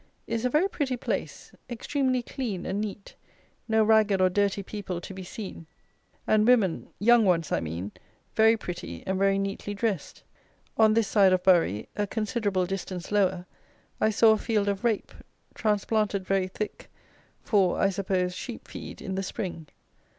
is a very pretty place; extremely clean and neat; no ragged or dirty people to be seen, and women (young ones I mean) very pretty and very neatly dressed. On this side of Bury, a considerable distance lower, I saw a field of Rape, transplanted very thick, for, I suppose, sheep feed in the spring.